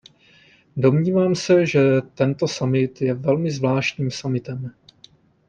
Domnívám se, že tento summit je velmi zvláštním summitem.